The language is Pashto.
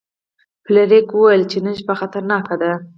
فلیریک وویل چې نن شپه خطرناکه ده.